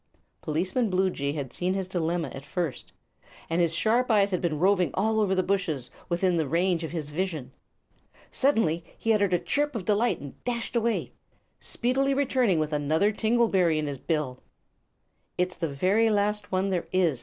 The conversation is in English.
Policeman Bluejay had seen his dilemma at the first, and his sharp eyes had been roving over all the bushes that were within the range of his vision. Suddenly he uttered a chirp of delight and dashed away, speedily returning with another tingle berry in his bill. "It's the very last one there is!"